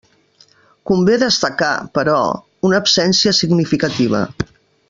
Convé destacar, però, una absència significativa.